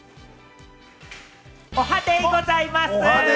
おはデイございます！